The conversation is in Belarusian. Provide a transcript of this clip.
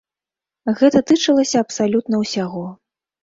Гэта тычылася абсалютна ўсяго.